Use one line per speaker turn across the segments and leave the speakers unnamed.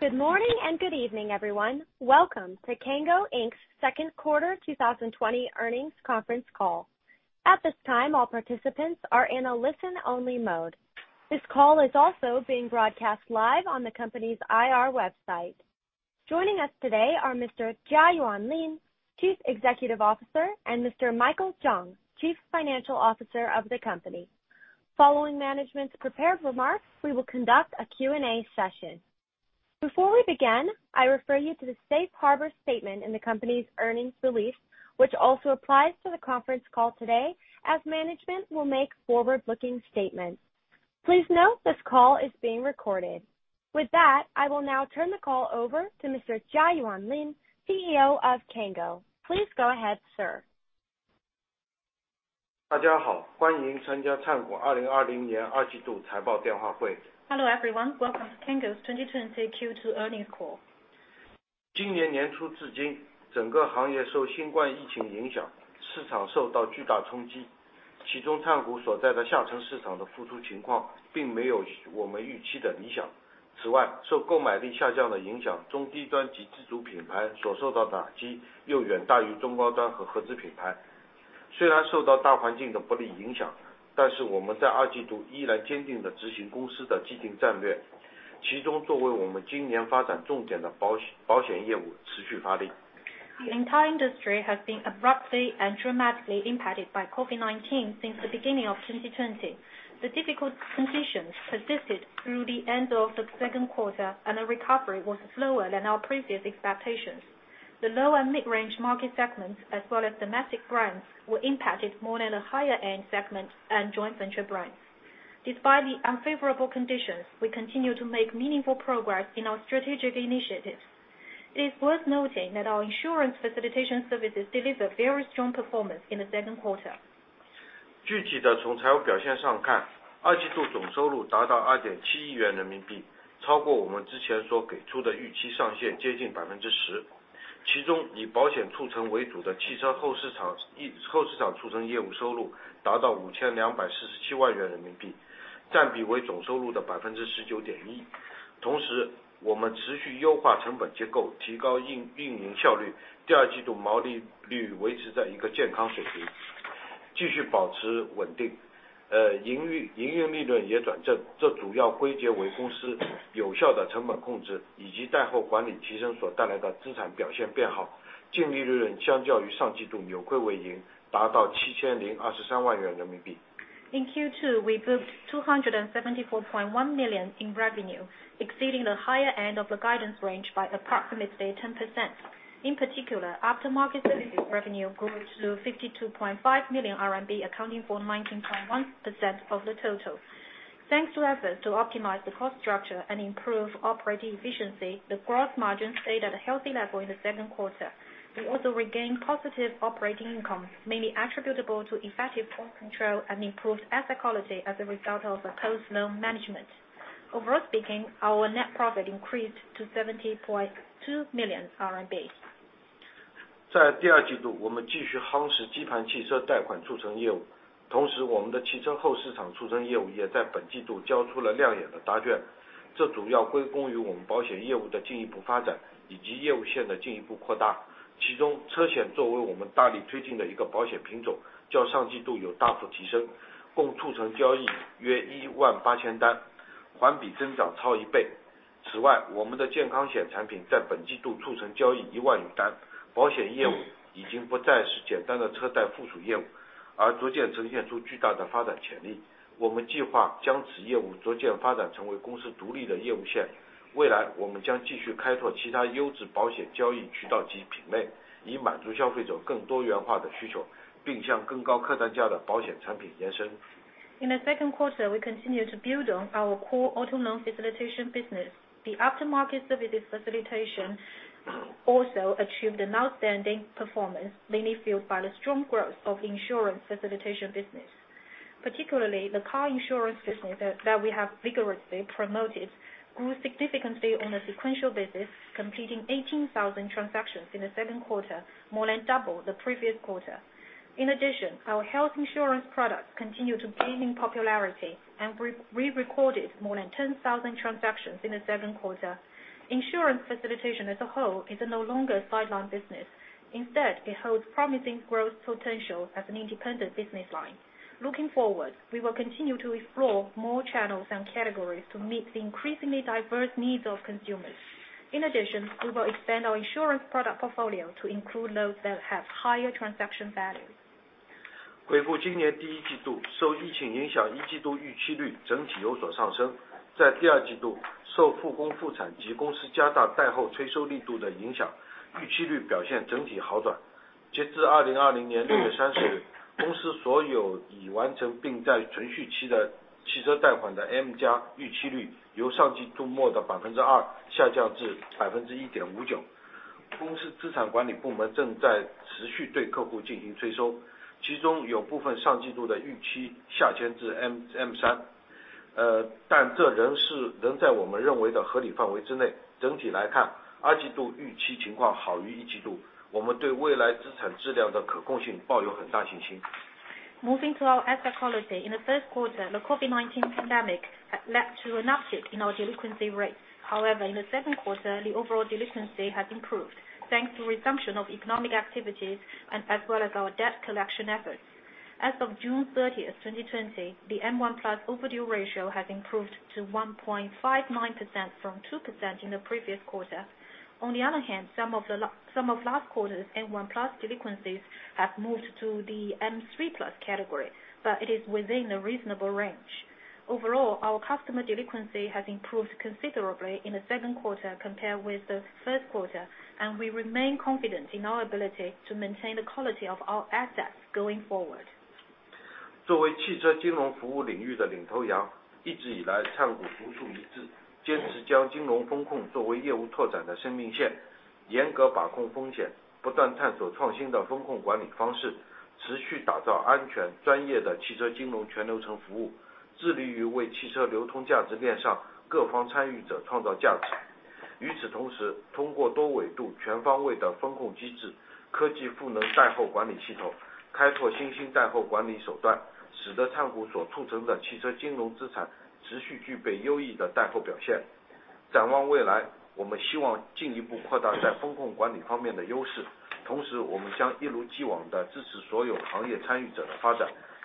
Good morning and good evening, everyone. Welcome to Cango Inc. second quarter 2020 earnings conference call. At this time, all participants are in a listen-only mode. This call is also being broadcast live on the company's IR website. Joining us today are Mr. Jiayuan Lin, Chief Executive Officer, and Mr. Michael Zhang, Chief Financial Officer of the company. Following management's prepared remarks, we will conduct a Q&A session. Before we begin, I refer you to the safe harbor statement in the company's earnings release, which also applies to the conference call today, as management will make forward-looking statements. Please note this call is being recorded. With that, I will now turn the call over to Mr. Jiayuan Lin, CEO of Cango. Please go ahead, sir.
大家好，欢迎参加灿谷2020年二季度财报电话会。Hello everyone, welcome to Cango's 2020 Q2 earnings call. 今年年初至今，整个行业受新冠疫情影响，市场受到巨大冲击，其中灿谷所在的下沉市场的复苏情况并没有我们预期的理想。此外，受购买力下降的影响，中低端及自主品牌所受到的打击又远大于中高端和合资品牌。虽然受到大环境的不利影响，但是我们在二季度依然坚定地执行公司的既定战略，其中作为我们今年发展重点的保险业务持续发力。The entire industry has been abruptly and dramatically impacted by COVID-19 since the beginning of 2020. The difficult conditions persisted through the end of the second quarter, and the recovery was slower than our previous expectations. The low and mid-range market segments, as well as domestic brands, were impacted more than the higher-end segment and joint venture brands. Despite the unfavorable conditions, we continue to make meaningful progress in our strategic initiatives. It is worth noting that our insurance facilitation services delivered very strong performance in the second quarter. In Q2, we booked 274.1 million in revenue, exceeding the higher end of the guidance range by approximately 10%. In particular, after-market services revenue grew to 52.5 million RMB, accounting for 19.1% of the total. Thanks to efforts to optimize the cost structure and improve operating efficiency, the gross margin stayed at a healthy level in the second quarter. We also regained positive operating income, mainly attributable to effective cost control and improved asset quality as a result of post-loan management. Overall speaking, our net profit increased to RMB 70.2 million. In the second quarter, we continue to build on our core auto loan facilitation business. The after-market services facilitation also achieved an outstanding performance, mainly fueled by the strong growth of the insurance facilitation business. Particularly, the car insurance business that we have vigorously promoted grew significantly on a sequential basis, completing 18,000 transactions in the second quarter, more than double the previous quarter. In addition, our health insurance products continue to gain in popularity and we recorded more than 10,000 transactions in the second quarter. Insurance facilitation as a whole is no longer a sideline business; instead, it holds promising growth potential as an independent business line. Looking forward, we will continue to explore more channels and categories to meet the increasingly diverse needs of consumers. In addition, we will expand our insurance product portfolio to include those that have higher transaction value. 回顾今年第一季度，受疫情影响，一季度预期率整体有所上升。在第二季度，受复工复产及公司加大带后催收力度的影响，预期率表现整体好转。截至2020年6月30日，公司所有已完成并在存续期的汽车贷款的M+预期率由上季度末的2%下降至1.59%。公司资产管理部门正在持续对客户进行催收，其中有部分上季度的预期下签至M3，但这仍在我们认为的合理范围之内。整体来看，二季度预期情况好于一季度，我们对未来资产质量的可控性抱有很大信心。Moving to our asset quality, in the first quarter, the COVID-19 pandemic led to an uptick in our delinquency rates. However, in the second quarter, the overall delinquency has improved thanks to the resumption of economic activities as well as our debt collection efforts. As of June 30, 2020, the M1+ overdue ratio has improved to 1.59% from 2% in the previous quarter. On the other hand, some of last quarter's M1+ delinquencies have moved to the M3+ category, but it is within a reasonable range. Overall, our customer delinquency has improved considerably in the second quarter compared with the first quarter, and we remain confident in our ability to maintain the quality of our assets going forward.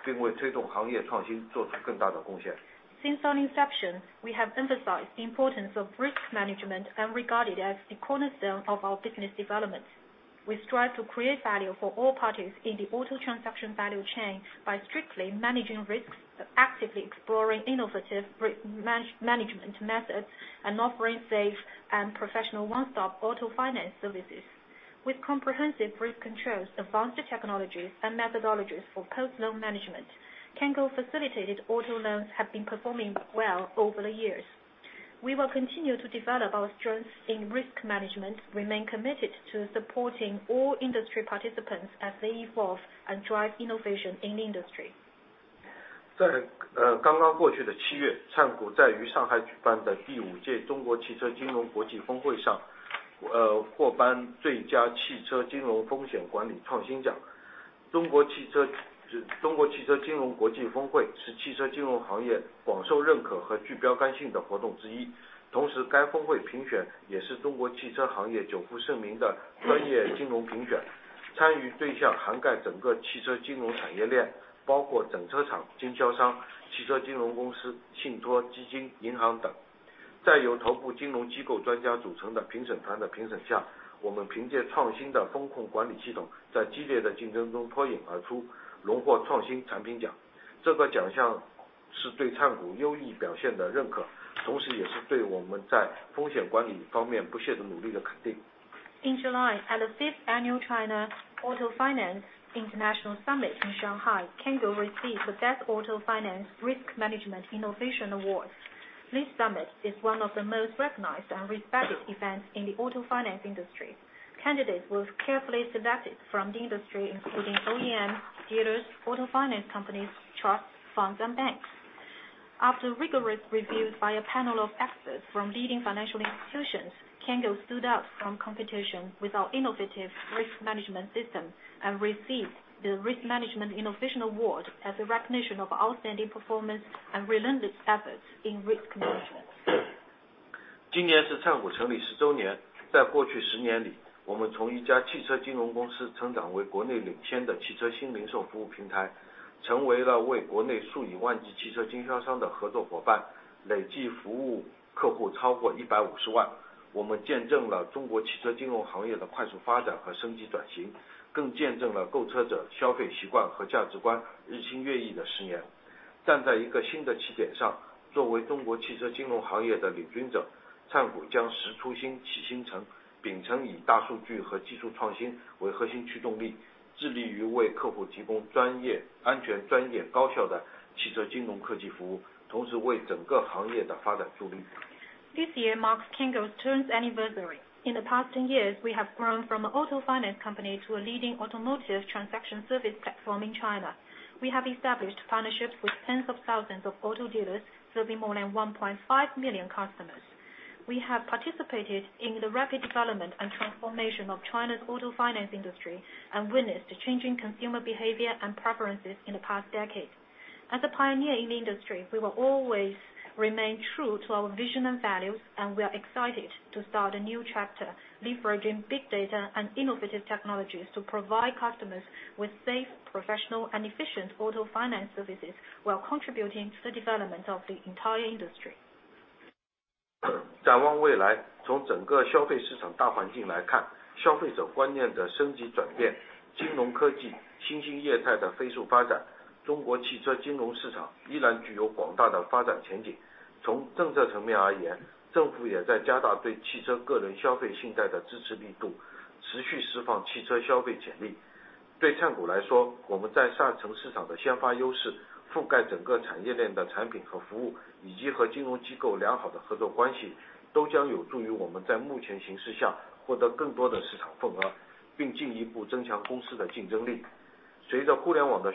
Since our inception, we have emphasized the importance of risk management and regarded it as the cornerstone of our business development. We strive to create value for all parties in the auto transaction value chain by strictly managing risks, actively exploring innovative risk management methods, and offering safe and professional one-stop auto finance services. With comprehensive risk controls, advanced technologies, and methodologies for post-loan management, Cango facilitated auto loans have been performing well over the years. We will continue to develop our strengths in risk management, remain committed to supporting all industry participants as they evolve and drive innovation in the industry. In July, at the 5th Annual China Auto Finance International Summit in Shanghai, Cango received the Best Auto Finance Risk Management Innovation Award. This summit is one of the most recognized and respected events in the auto finance industry. Candidates were carefully selected from the industry, including OEMs, dealers, auto finance companies, trusts, funds, and banks. After rigorous reviews by a panel of experts from leading financial institutions, Cango stood out from competition with our innovative risk management system and received the Risk Management Innovation Award as a recognition of outstanding performance and relentless efforts in risk management. 今年是灿谷成立十周年。在过去十年里，我们从一家汽车金融公司成长为国内领先的汽车新零售服务平台，成为了为国内数以万计汽车经销商的合作伙伴，累计服务客户超过150万。我们见证了中国汽车金融行业的快速发展和升级转型，更见证了购车者消费习惯和价值观日新月异的十年。站在一个新的起点上，作为中国汽车金融行业的领军者，灿谷将石出新，起新城，秉承以大数据和技术创新为核心驱动力，致力于为客户提供安全、专业、高效的汽车金融科技服务，同时为整个行业的发展助力。This year, Cango turns anniversary. In the past ten years, we have grown from an auto finance company to a leading automotive transaction service platform in China. We have established partnerships with tens of thousands of auto dealers, serving more than 1.5 million customers. We have participated in the rapid development and transformation of China's auto finance industry and witnessed changing consumer behavior and preferences in the past decade. As a pioneer in the industry, we will always remain true to our vision and values, and we are excited to start a new chapter, leveraging big data and innovative technologies to provide customers with safe, professional, and efficient auto finance services while contributing to the development of the entire industry. Looking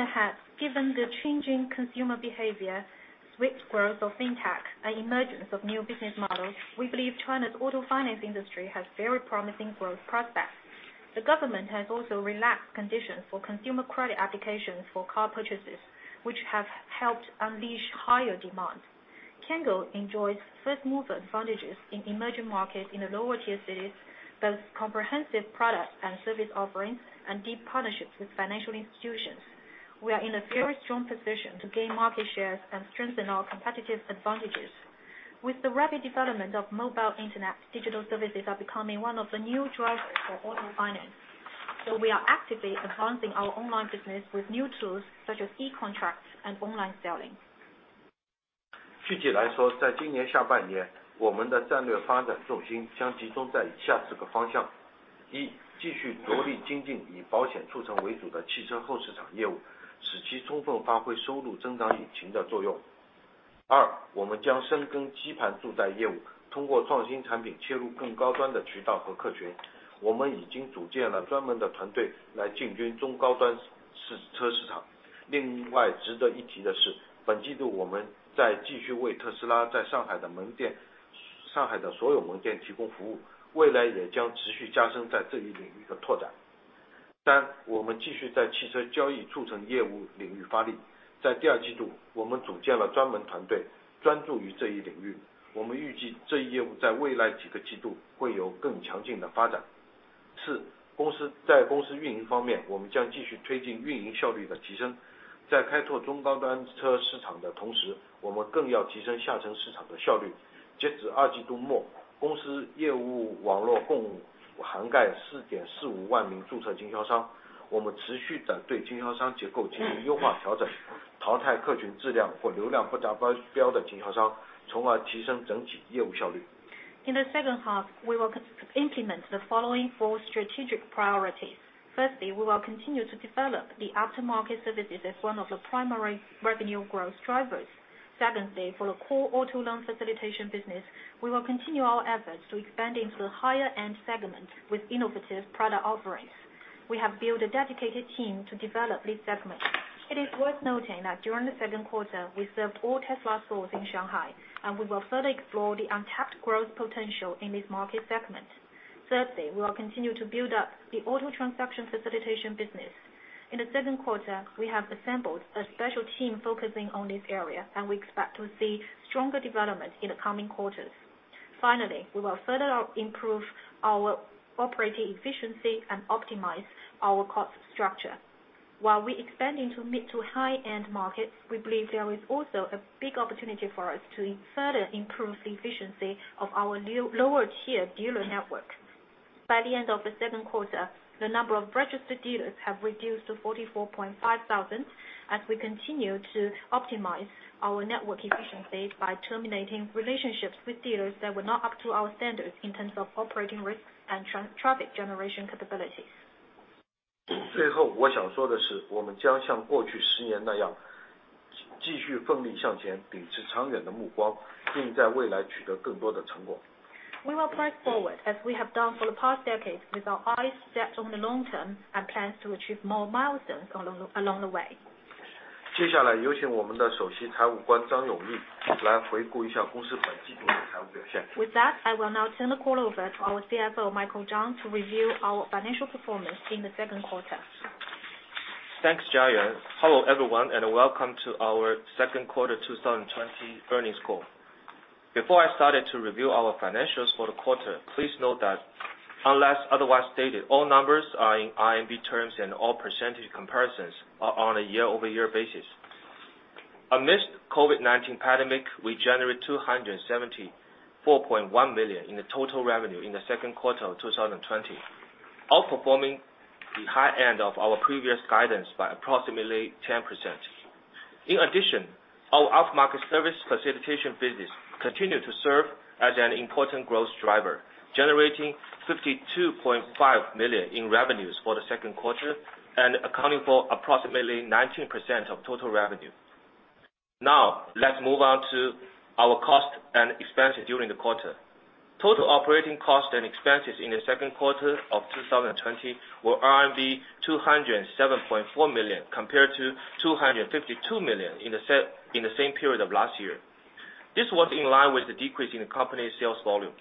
ahead, given the changing consumer behavior, swift growth of fintech, and emergence of new business models, we believe China's auto finance industry has very promising growth prospects. The government has also relaxed conditions for consumer credit applications for car purchases, which have helped unleash higher demand. Cango enjoys first-mover advantages in emerging markets in the lower-tier cities, both comprehensive product and service offerings and deep partnerships with financial institutions. We are in a very strong position to gain market shares and strengthen our competitive advantages. With the rapid development of mobile internet, digital services are becoming one of the new drivers for auto finance, so we are actively advancing our online business with new tools such as e-contracts and online selling. In the second half, we will implement the following four strategic priorities. Firstly, we will continue to develop the after-market services as one of the primary revenue growth drivers. Secondly, for the core auto loan facilitation business, we will continue our efforts to expand into the higher-end segment with innovative product offerings. We have built a dedicated team to develop this segment. It is worth noting that during the second quarter, we served all Tesla stores in Shanghai, and we will further explore the untapped growth potential in this market segment. Thirdly, we will continue to build up the auto transaction facilitation business. In the second quarter, we have assembled a special team focusing on this area, and we expect to see stronger development in the coming quarters. Finally, we will further improve our operating efficiency and optimize our cost structure. While we are expanding to high-end markets, we believe there is also a big opportunity for us to further improve the efficiency of our lower-tier dealer network. By the end of the second quarter, the number of registered dealers has reduced to 44,500 as we continue to optimize our network efficiency by terminating relationships with dealers that were not up to our standards in terms of operating risks and traffic generation capabilities. 最后，我想说的是，我们将像过去十年那样继续奋力向前，秉持长远的目光，并在未来取得更多的成果。We will press forward as we have done for the past decade with our eyes set on the long term and plans to achieve more milestones along the way. 接下来，有请我们的首席财务官张永毅来回顾一下公司本季度的财务表现。With that, I will now turn the call over to our CFO, Michael Zhang, to review our financial performance in the second quarter.
Thanks, Jiayuan. Hello, everyone, and welcome to our second quarter 2020 earnings call. Before I started to review our financials for the quarter, please note that, unless otherwise stated, all numbers are in RMB terms and all percentage comparisons are on a year-over-year basis. Amidst the COVID-19 pandemic, we generated 274.1 million in total revenue in the second quarter of 2020, outperforming the high end of our previous guidance by approximately 10%. In addition, our after-market service facilitation business continued to serve as an important growth driver, generating 52.5 million in revenues for the second quarter and accounting for approximately 19% of total revenue. Now, let's move on to our cost and expenses during the quarter. Total operating cost and expenses in the second quarter of 2020 were RMB 207.4 million compared to 252 million in the same period of last year. This was in line with the decrease in the company's sales volume.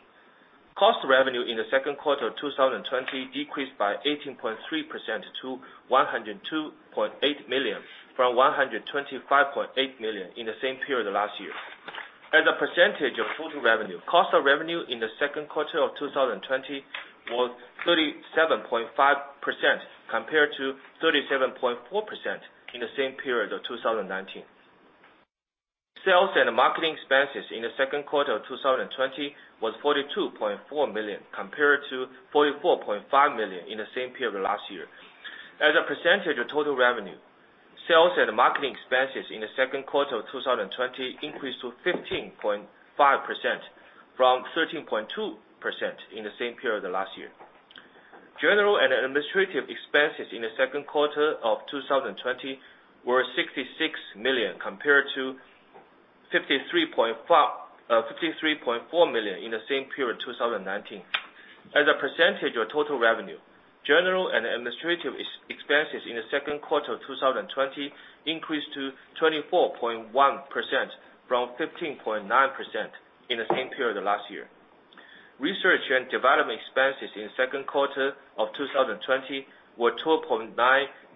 Cost of revenue in the second quarter of 2020 decreased by 18.3% to 102.8 million, from 125.8 million in the same period of last year. As a percentage of total revenue, cost of revenue in the second quarter of 2020 was 37.5% compared to 37.4% in the same period of 2019. Sales and marketing expenses in the second quarter of 2020 were 42.4 million compared to 44.5 million in the same period of last year. As a percentage of total revenue, sales and marketing expenses in the second quarter of 2020 increased to 15.5%, from 13.2% in the same period of last year. General and administrative expenses in the second quarter of 2020 were 66 million compared to 53.4 million in the same period of 2019. As a percentage of total revenue, general and administrative expenses in the second quarter of 2020 increased to 24.1%, from 15.9% in the same period of last year. Research and development expenses in the second quarter of 2020 were 12.9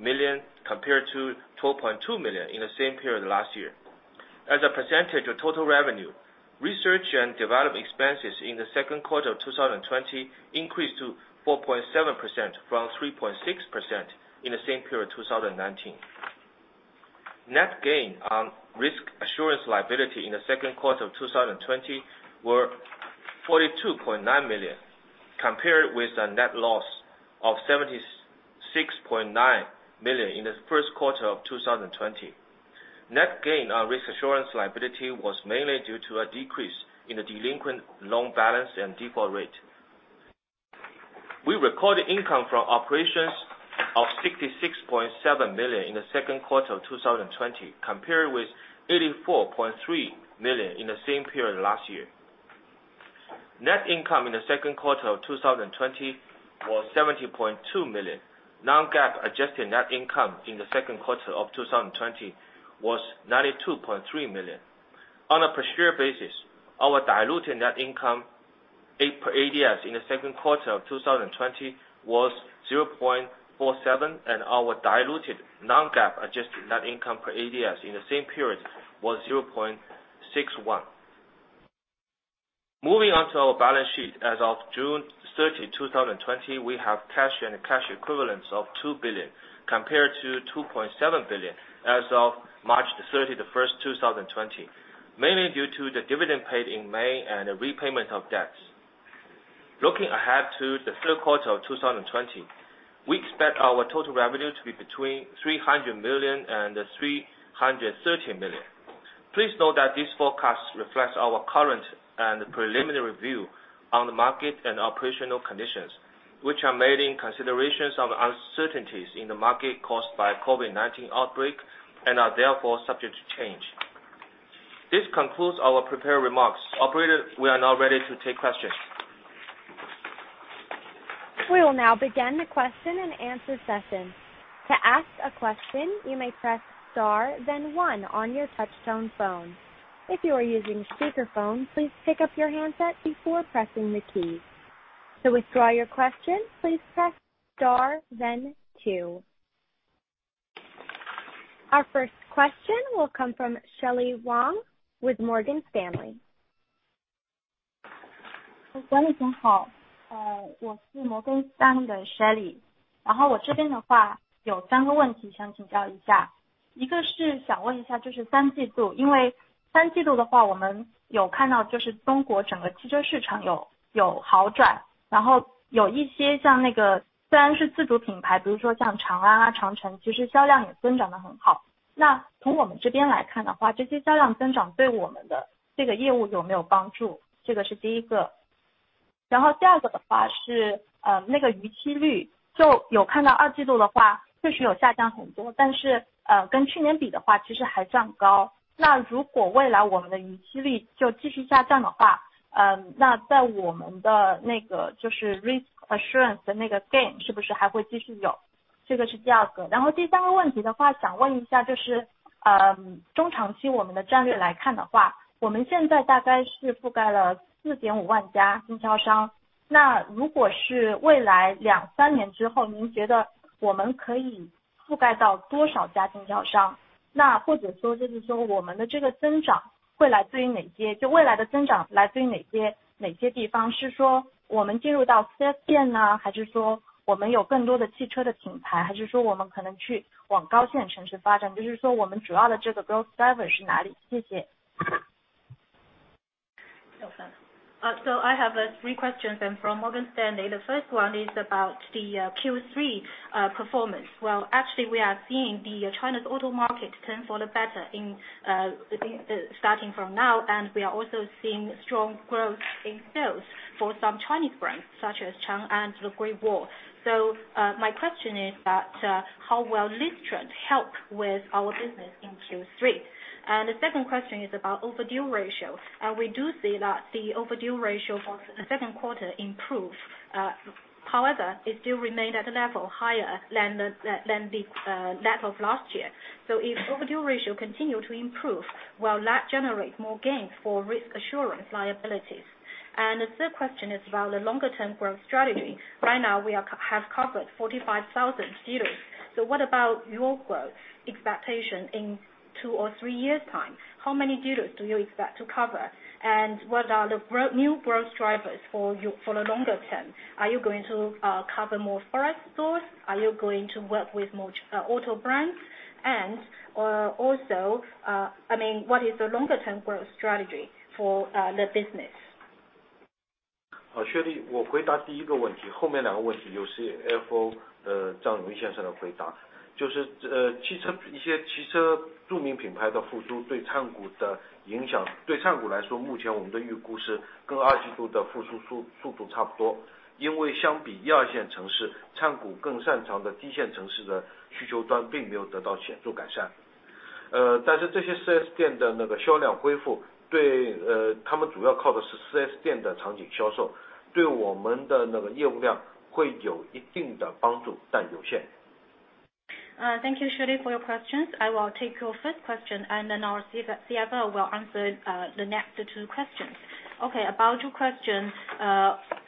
million compared to 12.2 million in the same period of last year. As a percentage of total revenue, research and development expenses in the second quarter of 2020 increased to 4.7%, from 3.6% in the same period of 2019. Net gain on risk assurance liability in the second quarter of 2020 was 42.9 million compared with a net loss of 76.9 million in the first quarter of 2020. Net gain on risk assurance liability was mainly due to a decrease in the delinquent loan balance and default rate. We recorded income from operations of 66.7 million in the second quarter of 2020 compared with 84.3 million in the same period of last year. Net income in the second quarter of 2020 was 70.2 million. Non-GAAP adjusted net income in the second quarter of 2020 was 92.3 million. On a per-share basis, our diluted net income per ADS in the second quarter of 2020 was 0.47, and our diluted non-GAAP adjusted net income per ADS in the same period was 0.61. Moving on to our balance sheet, as of June 30, 2020, we have cash and cash equivalents of 2 billion compared to 2.7 billion as of March 31, 2020, mainly due to the dividend paid in May and the repayment of debts. Looking ahead to the third quarter of 2020, we expect our total revenue to be between 300 million and 330 million. Please note that these forecasts reflect our current and preliminary view on the market and operational conditions, which are made in consideration of uncertainties in the market caused by the COVID-19 outbreak and are therefore subject to change. This concludes our prepared remarks. Operator, we are now ready to take questions.
We will now begin the question and answer session. To ask a question, you may press star, then one on your touch-tone phone. If you are using speakerphone, please pick up your handset before pressing the keys. To withdraw your question, please press star, then two. Our first question will come from Shelley Wang with Morgan Stanley.
driver? Thank you. I have three questions, and from Morgan Stanley, the first one is about the Q3 performance. Actually, we are seeing the Chinese auto market turn for the better starting from now, and we are also seeing strong growth in sales for some Chinese brands such as Changan and Great Wall. My question is that how will this trend help with our business in Q3? The second question is about overdue ratio. We do see that the overdue ratio for the second quarter improved. However, it still remained at a level higher than the level of last year. If overdue ratio continues to improve, will that generate more gain for risk assurance liabilities? The third question is about the longer-term growth strategy. Right now, we have covered 45,000 dealers. What about your growth expectation in two or three years' time? How many dealers do you expect to cover? What are the new growth drivers for the longer term? Are you going to cover more foreign stores? Are you going to work with more auto brands? I mean, what is the longer-term growth strategy for the business?
好，Shelley，我回答第一个问题。后面两个问题有些FO的张永毅先生的回答。就是，呃，汽车一些汽车著名品牌的复苏对仓股的影响，对仓股来说，目前我们的预估是跟二季度的复苏速度差不多，因为相比一二线城市，仓股更擅长的低线城市的需求端并没有得到显著改善。呃，但是这些4S店的那个销量恢复，对，呃，他们主要靠的是4S店的场景销售，对我们的那个业务量会有一定的帮助，但有限。Thank you, Shelley, for your questions. I will take your first question, and then our CFO will answer the next two questions. About your question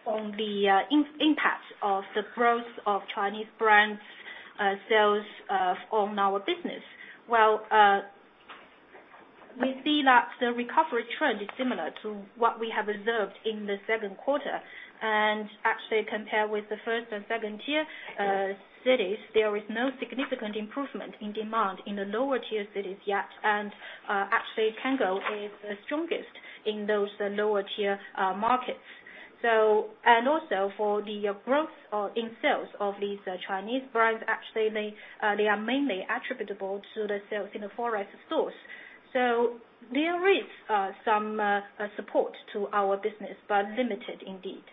on the impact of the growth of Chinese brands' sales on our business. We see that the recovery trend is similar to what we have observed in the second quarter. Actually, compared with the first and second-tier cities, there is no significant improvement in demand in the lower-tier cities yet. Actually, Cango is the strongest in those lower-tier markets. Also, for the growth in sales of these Chinese brands, they are mainly attributable to the sales in the foreign stores. There is some support to our business, but limited indeed.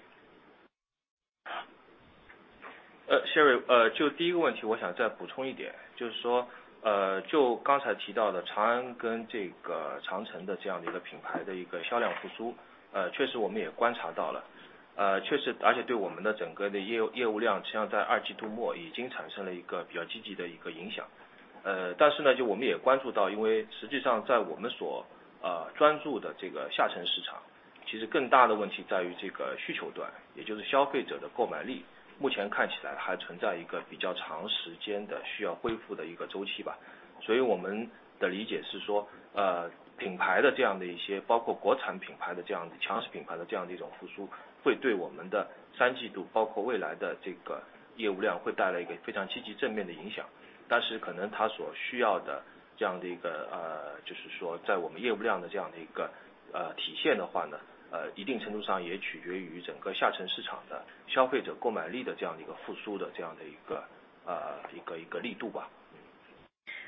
Shelley，就第一个问题我想再补充一点，就是说，呃，就刚才提到的长安跟这个长城的这样的一个品牌的一个销量复苏，呃，确实我们也观察到了，呃，确实，而且对我们的整个的业务量实际上在二季度末已经产生了一个比较积极的一个影响。呃，但是呢，就我们也关注到，因为实际上在我们所，呃，专注的这个下沉市场，其实更大的问题在于这个需求端，也就是消费者的购买力，目前看起来还存在一个比较长时间的需要恢复的一个周期吧。所以我们的理解是说，呃，品牌的这样的一些，包括国产品牌的这样的强势品牌的这样的一种复苏，会对我们的三季度，包括未来的这个业务量，会带来一个非常积极正面的影响。但是可能它所需要的这样的一个，呃，就是说在我们业务量的这样的一个，呃，体现的话呢，呃，一定程度上也取决于整个下沉市场的消费者购买力的这样的一个复苏的这样的一个，呃，一个力度吧。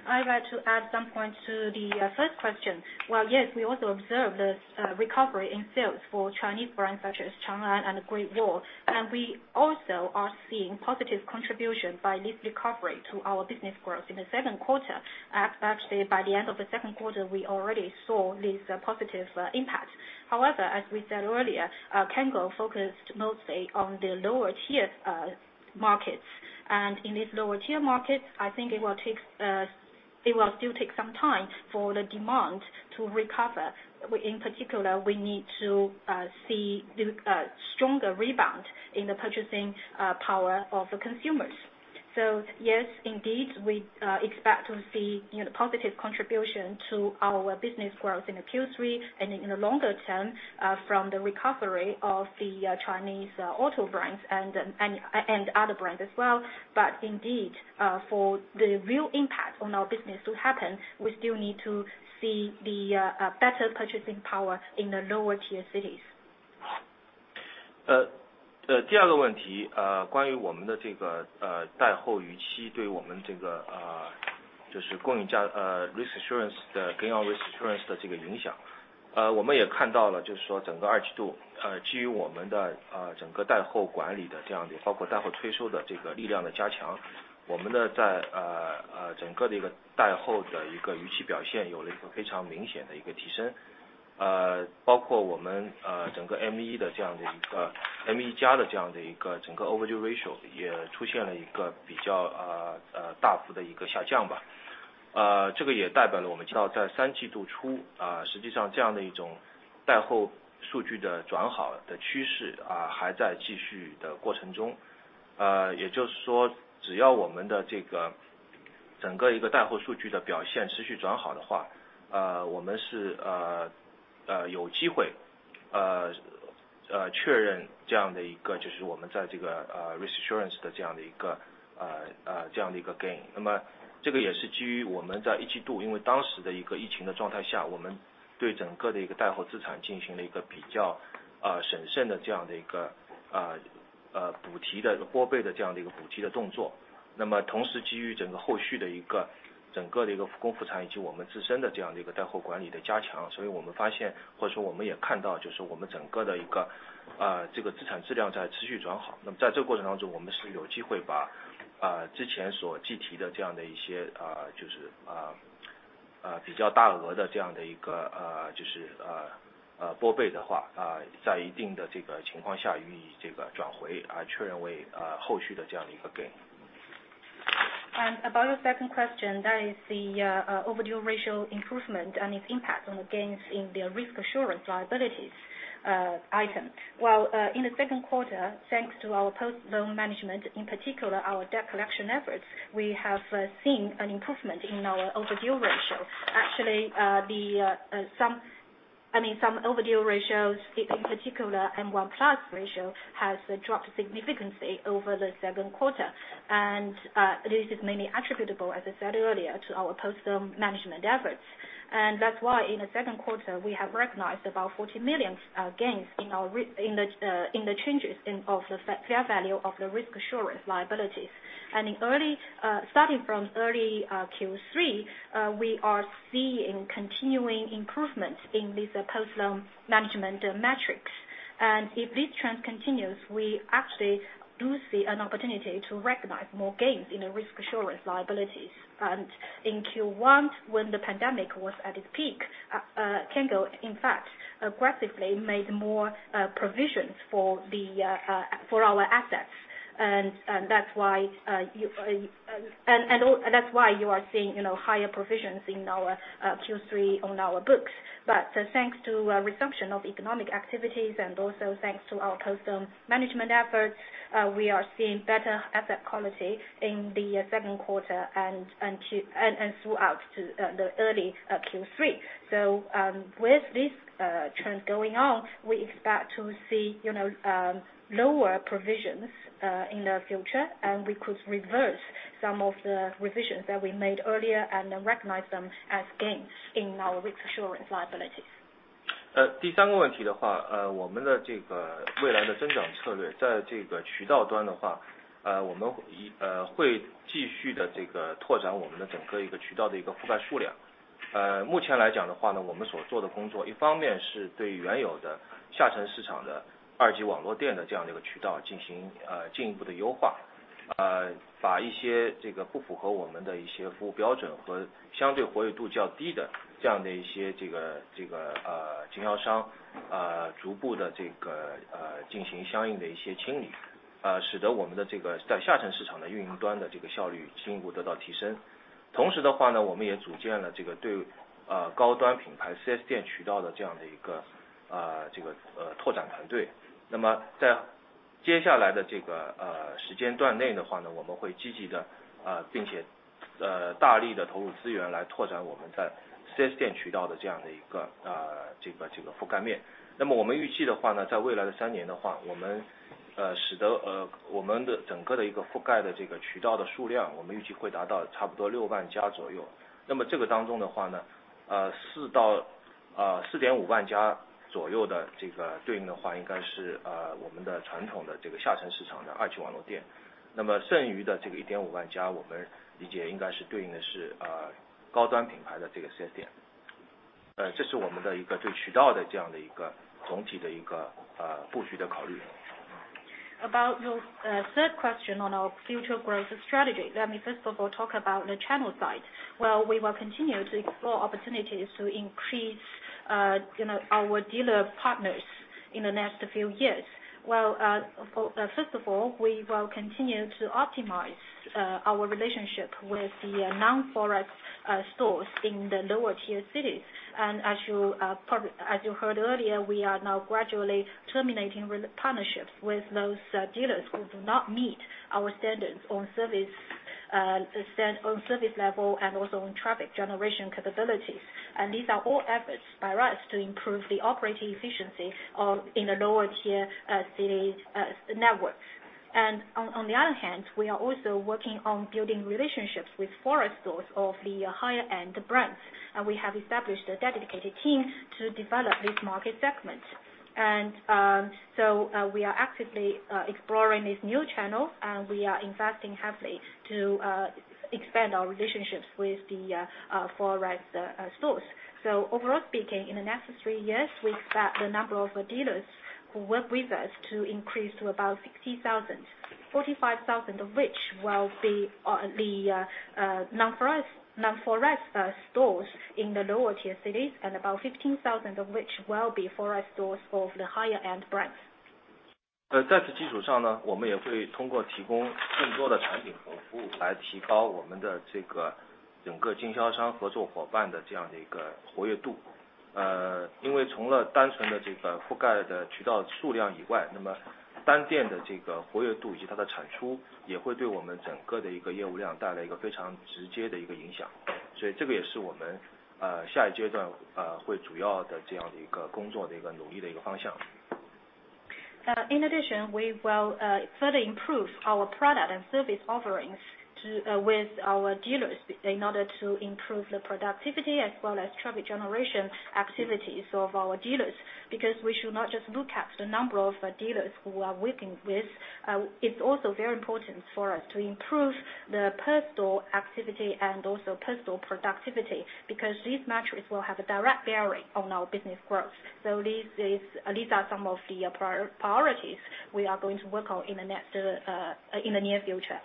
I'd like to add some points to the first question. Yes, we also observed the recovery in sales for Chinese brands such as Changan Automobile and Great Wall Motor. We also are seeing positive contribution by this recovery to our business growth in the second quarter. Actually, by the end of the second quarter, we already saw this positive impact. However, as we said earlier, Cango focused mostly on the lower-tier markets. In these lower-tier markets, I think it will still take some time for the demand to recover. In particular, we need to see a stronger rebound in the purchasing power of the consumers. Yes, indeed, we expect to see a positive contribution to our business growth in Q3 and in the longer term from the recovery of the Chinese auto brands and other brands as well. Indeed, for the real impact on our business to happen, we still need to see the better purchasing power in the lower-tier cities. 第二个问题，关于我们的这个代后逾期对我们这个，就是供应价，risk assurance的，给我们risk assurance的这个影响。我们也看到了就是说整个二季度，基于我们的，整个代后管理的这样的，包括代后推售的这个力量的加强，我们的在，整个的一个代后的一个逾期表现有了一个非常明显的一个提升。包括我们，整个M1的这样的一个，M1+的这样的一个整个overdue ratio也出现了一个比较，大幅的一个下降吧。这个也代表了我们知道在三季度初，实际上这样的一种代后数据的转好的趋势，还在继续的过程中。也就是说只要我们的这个整个一个代后数据的表现持续转好的话，我们是，有机会，确认这样的一个就是我们在这个，risk About your second question, that is the overdue ratio improvement and its impact on the gains in the risk assurance liabilities item. In the second quarter, thanks to our post-loan management, in particular our debt collection efforts, we have seen an improvement in our overdue ratio. Actually, some overdue ratios, in particular, the M1+ ratio, have dropped significantly over the second quarter. This is mainly attributable, as I said earlier, to our post-loan management efforts. That is why in the second quarter we have recognized about 40 million gains in the changes in the fair value of the risk assurance liabilities. Starting from early Q3, we are seeing continuing improvements in these post-loan management metrics. If this trend continues, we actually do see an opportunity to recognize more gains in the risk assurance liabilities. In Q1, when the pandemic was at its peak, Cango, in fact, aggressively made more provisions for our assets. That is why you are seeing, you know, higher provisions in our Q3 on our books. Thanks to a resumption of economic activities and also thanks to our post-loan management efforts, we are seeing better asset quality in the second quarter and throughout early Q3. With this trend going on, we expect to see, you know, lower provisions in the future, and we could reverse some of the provisions that we made earlier and recognize them as gains in our risk assurance liabilities. About your third question on our future growth strategy, let me first of all talk about the Changan side. We will continue to explore opportunities to increase our dealer partners in the next few years. First of all, we will continue to optimize our relationship with the non-foreign stores in the lower-tier cities. As you heard earlier, we are now gradually terminating partnerships with those dealers who do not meet our standards on service level and also on traffic generation capabilities. These are all efforts by us to improve the operating efficiency in the lower-tier city networks. On the other hand, we are also working on building relationships with foreign stores of the higher-end brands. We have established a dedicated team to develop this market segment. We are actively exploring this new channel, and we are investing heavily to expand our relationships with the foreign stores. Overall speaking, in the next three years, we expect the number of dealers who work with us to increase to about 60,000, 45,000 of which will be the non-foreign stores in the lower-tier cities, and about 15,000 of which will be foreign stores of the higher-end brands. 在此基础上呢，我们也会通过提供更多的产品和服务来提高我们的这个整个经销商合作伙伴的这样的一个活跃度。因为除了单纯的这个覆盖的渠道数量以外，那么单店的这个活跃度以及它的产出也会对我们整个的一个业务量带来一个非常直接的一个影响。所以这个也是我们下一阶段会主要的这样的一个工作的一个努力的一个方向。In addition, we will further improve our product and service offerings with our dealers in order to improve the productivity as well as traffic generation activities of our dealers. We should not just look at the number of dealers we are working with, it's also very important for us to improve the personal activity and also personal productivity because these metrics will have a direct bearing on our business growth. These are some of the priorities we are going to work on in the near future.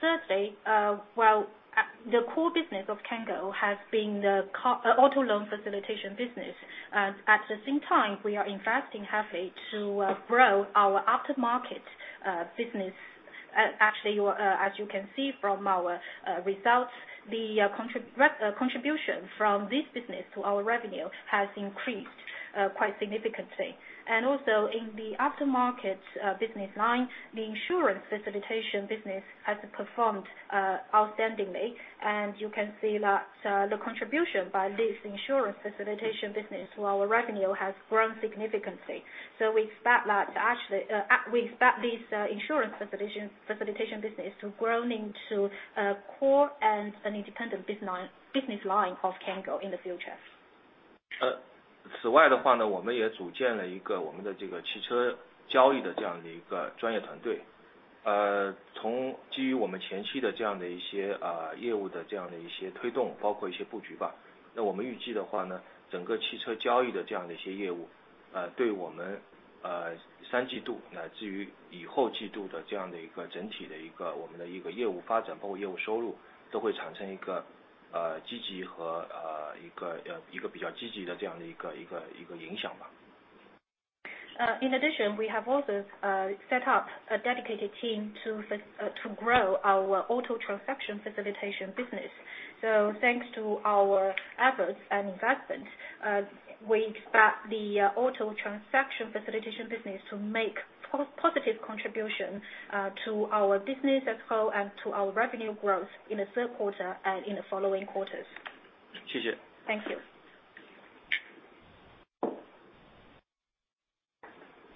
Thirdly, the core business of Cango has been the auto loan facilitation business. At the same time, we are investing heavily to grow our aftermarket business. Actually, as you can see from our results, the contribution from this business to our revenue has increased quite significantly. Also, in the aftermarket business line, the insurance facilitation business has performed outstandingly. You can see that the contribution by this insurance facilitation business to our revenue has grown significantly. We expect that actually, we expect this insurance facilitation business to grow into a core and an independent business line of Cango in the future. In addition, we have also set up a dedicated team to grow our auto transaction facilitation business. Thanks to our efforts and investment, we expect the auto transaction facilitation business to make a positive contribution to our business as well as to our revenue growth in the third quarter and in the following quarters. 谢谢。Thank you.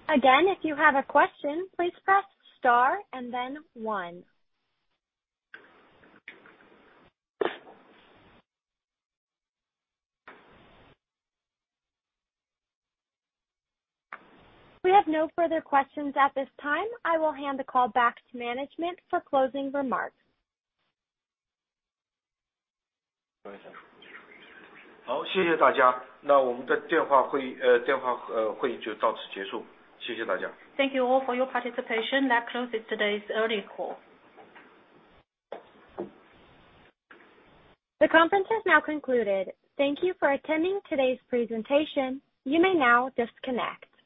Again, if you have a question, please press star and then one. We have no further questions at this time. I will hand the call back to management for closing remarks.
好，谢谢大家。那我们的电话会议就到此结束。谢谢大家。Thank you all for your participation. That closes today's early call.
The conference has now concluded. Thank you for attending today's presentation. You may now disconnect.